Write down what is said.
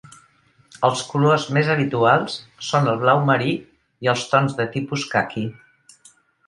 Els colors més habituals són el blau marí i els tons de tipus caqui.